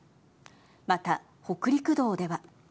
また北陸道では。